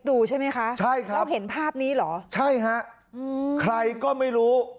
ดูใช่ไหมคะใช่ครับแล้วเห็นภาพนี้เหรอใช่ฮะอืมใครก็ไม่รู้